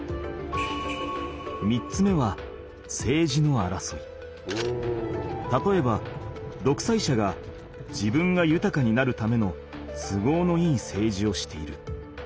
３つ目はたとえばどくさい者が自分がゆたかになるための都合のいい政治をしている。